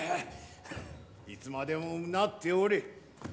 いつまでも唸っておれ。